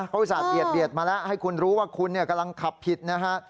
เขาอุตส่าหเบียดมาแล้วให้คุณรู้ว่าคุณกำลังขับผิดนะฮะ